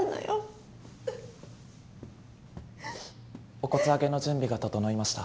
お骨揚げの準備が整いました。